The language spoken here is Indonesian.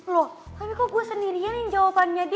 loh tapi kok gue sendirian yang jawabannya dia